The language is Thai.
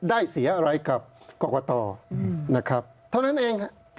เสียอะไรกับกรกตนะครับเท่านั้นเองฮะ